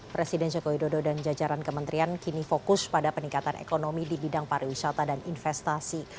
presiden jokowi dodo dan jajaran kementerian kini fokus pada peningkatan ekonomi di bidang pariwisata dan investasi